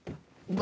何？